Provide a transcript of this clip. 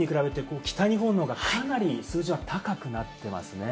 これ、西日本に比べて北日本の方がかなり数字が高くなってますね。